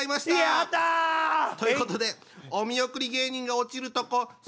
やった！ということでお見送り芸人が落ちるとこ好き？